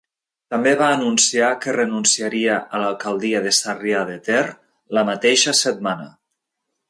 També va anunciar que renunciaria a l'alcaldia de Sarrià de Ter la mateixa setmana.